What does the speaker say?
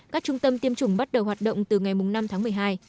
các trung tâm tiêm chủng bắt đầu hoạt động từ ngày năm tháng một mươi hai